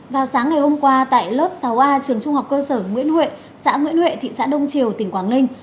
vào sáng ngày hôm qua tại lớp sáu a trường trung học cơ sở nguyễn huệ xã nguyễn huệ thị xã đông triều tỉnh quảng ninh